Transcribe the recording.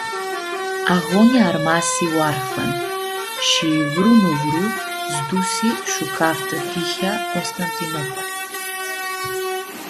Ayonjea armasi oarfan shi vru nu vru s-dusi shu-caftã tihea Constantinopoli.